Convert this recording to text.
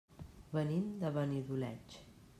Venim de Benidoleig.